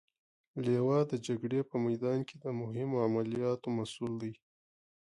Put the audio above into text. لوا د جګړې په میدان کې د مهمو عملیاتو مسئول دی.